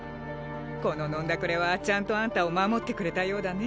この飲んだくれはちゃんとあんたを守ってくれたようだね。